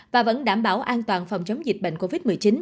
và vẫn đảm bảo an toàn phòng chống dịch bệnh covid một mươi chín